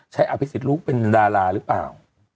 อภิษฎลูกเป็นดาราหรือเปล่า